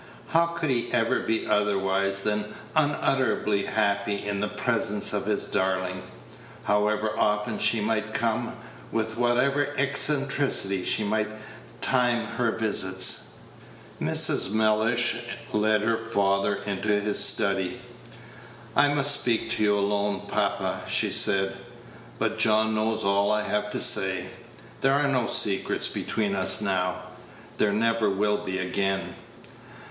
How could he ever be otherwise than unutterably happy in the presence of his darling, however often she might come, with whatever eccentricity she might time her visits? Mrs. Mellish led her father into his study. "I must speak to you alone, papa." she said; "but John knows all I have to say. There are no secrets between us now. There never will be again."